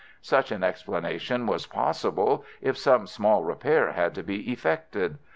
Such an explanation was possible if some small repair had to be effected.